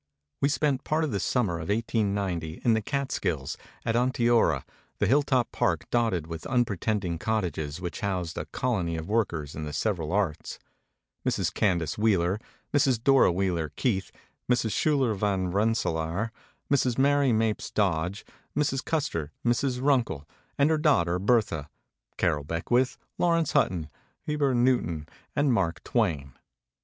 We spent part of the summer of 1890 in the CatskiUs, at Onteora, the hill top park dotted with unpretending cottages which housed a colony of workers in the several arts, Mrs. Candace Wheeler, Mrs. Dora Wheeler Keith, Mrs. Schuyler Van Renssellaer, Mrs. Mary Mapes Dodge, Mrs. Custer, Mrs. Runkle and her daughter Bertha, Carroll Beckwith, Laurence Hutton, Heber Newton and Mark Twain.